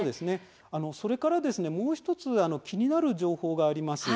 それから、もう１つ気になる情報があります。